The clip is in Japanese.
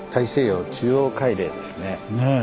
ねえ？